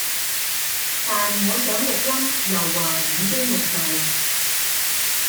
但我想錄音又話已經錄晒